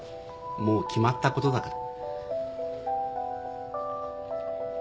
もう決まったことだから。